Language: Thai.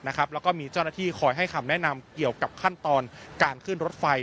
แล้วก็มีเจ้าหน้าที่คอยให้คำแนะนำเกี่ยวกับขั้นตอนการขึ้นรถไฟ